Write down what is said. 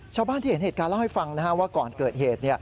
ชาวบ้านที่เห็นเหตุการณ์เล่าให้ฟังว่าก่อนเกิดเหตุ